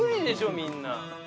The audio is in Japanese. みんな。